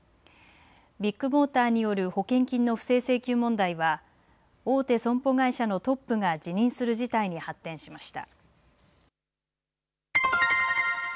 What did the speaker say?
ビッグモーターによる保険金の不正請求問題は大手損保会社のトップが辞任する事態に発展しました。